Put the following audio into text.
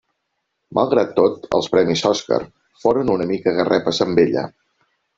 Malgrat tot, els premis Oscar foren una mica garrepes amb ella.